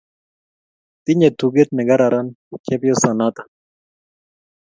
Tinye tuget ne kararan chepyoso natak